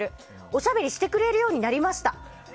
おしゃべりしてくれるようになりました。